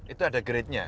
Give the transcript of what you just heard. itu ada grade nya